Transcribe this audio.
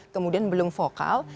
kemudian belum vokal